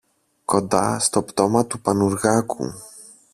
κοντά στο πτώμα του Πανουργάκου.